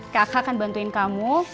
kaka akan bantuin kamu